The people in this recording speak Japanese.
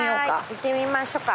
行ってみましょうか。